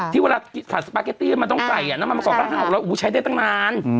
ที่เวลาสัดสปาเกตตี้มาต้องไก่น้ำมะมะกรอบร้านห้าออกแล้วใช้ได้ตั้งนาน